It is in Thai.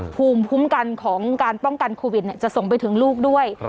ภูมิคุ้มกันของการป้องกันโควิดจะส่งไปถึงลูกด้วย